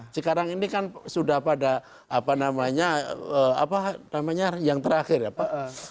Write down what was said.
sekarang ini kan sudah pada apa namanya apa namanya yang terakhir ya pak